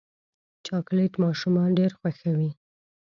چاکلېټ ماشومان ډېر خوښوي.